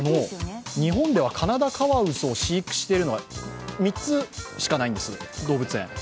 日本ではカナダカワウソを飼育しているのが３つしかないんです、動物園。